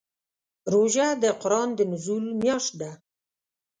روژه د قرآن د نزول میاشت ده.